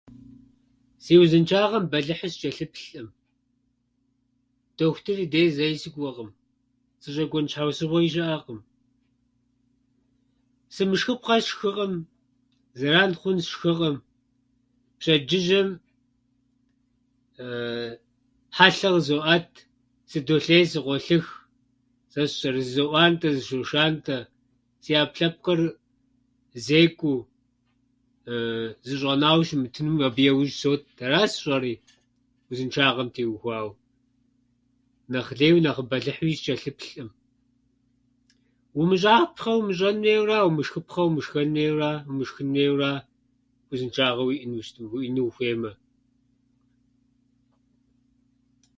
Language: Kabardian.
Си узыншагъэм бэлыхьу сычӏэлъыплъӏым. Дохутыр дей зэи сыкӏуэкъым, сыщӏэкӏуэн щхьэусыгъуи щыӏэкъым. Сымышхыпхъэ сшхыкъым, зэран хъун сшхыкъым, пщэдджыжьым хьэлъэ къызоӏэт, сыдолъей, сыкъоъых, сэ сщӏэрэ, зызоӏуантӏэ, зызошантӏэ, си ӏэплъэпкъыр зекӏуэу зыщӏэнауэ щымытынум абы иужь сот. Ара сщӏэри узыншагъэм теухуауэ. Нэхъ лейуи, нэхъ бэлыхьууи сычӏэлъыплъӏым. Умыщӏапхъэ умыщӏын хуейуэ ара, умышхыпхъэ умышхэн хуейуэ ара- умышхын хуейуэ ара, узыншагъэ уиӏэну щытым, уиӏэну ухуеймэ.